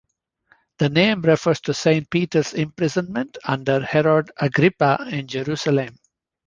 The name refers to Saint Peter's imprisonment under Herod Agrippa in Jerusalem.